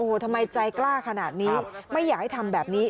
ทำไมใจกล้าขนาดนี้ไม่อยากให้ทำแบบนี้